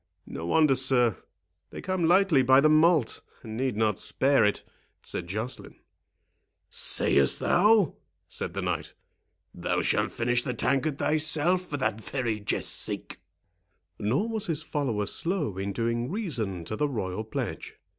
"No wonder, sir; they come lightly by the malt, and need not spare it," said Joceline. "Say'st thou?" said the knight; "thou shalt finish the tankard thyself for that very jest's sake." Nor was his follower slow in doing reason to the royal pledge.